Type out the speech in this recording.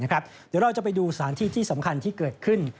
เดี๋ยวเราจะไปดูสถานที่ที่สำคัญที่เกิดขึ้น